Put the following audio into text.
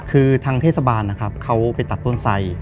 คือทางเทศบาลนะครับเขาไปตัดต้นไส